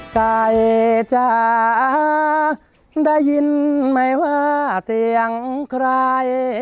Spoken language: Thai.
ไก่จ๋าได้ยินไหมว่าเสียงใคร